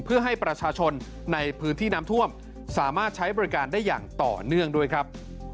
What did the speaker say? เพื่อให้ประชาชนในพื้นที่น้ำท่วมสามารถใช้บริการได้อย่างต่อเนื่องด้วยครับ